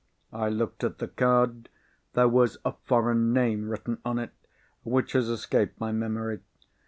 I looked at the card. There was a foreign name written on it, which has escaped my memory.